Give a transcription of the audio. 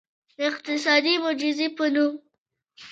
د اقتصادي معجزې په نوم.